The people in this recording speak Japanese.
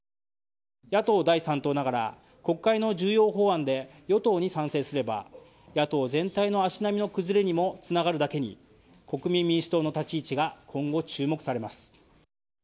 野党第３党ながら国会の重要法案で与党に賛成すれば野党全体の足並みの崩れにもつながるだけに国民民主党の立ち位置が今後、注目されます。